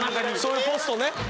そういうポストね。